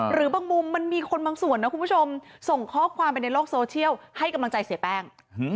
หรือบางมุมมันมีคนบางส่วนนะคุณผู้ชมส่งข้อความไปในโลกโซเชียลให้กำลังใจเสียแป้ง